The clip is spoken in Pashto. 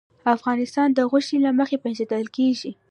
افغانستان د غوښې له مخې پېژندل کېږي.